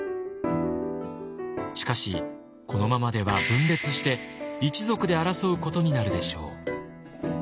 しかしこのままでは分裂して一族で争うことになるでしょう。